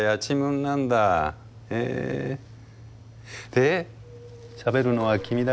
でしゃべるのは君だけ？